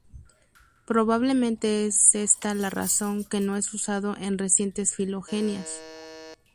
Probablemente es esta la razón que no es usado en recientes filogenias.